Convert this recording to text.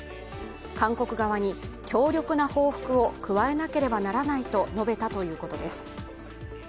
韓国側に強力な報復を加えなければならないと述べたということです。